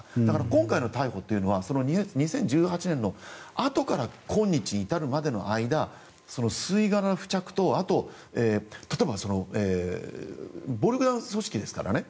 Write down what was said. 今回の逮捕というのは２０１８年のあとから今日に至るまでの間吸い殻の付着とあと、例えば暴力団組織ですからね。